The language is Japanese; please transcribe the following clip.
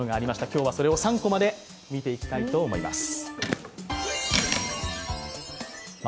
今日はそれを３コマで見ていきたいと思います。